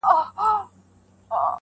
ستا د خولې خندا يې خوښه سـوېده~